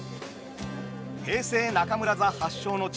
平成中村座発祥の地